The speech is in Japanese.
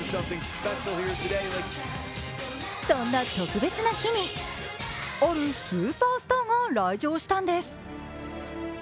そんな特別な日に、あるスーパースターが来場したんです。